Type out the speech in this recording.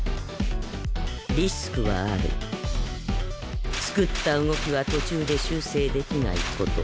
リスクはある作った動きは途中で修正できないこと